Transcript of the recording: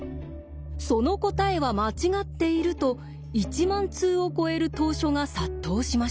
「その答えは間違っている」と１万通を超える投書が殺到しました。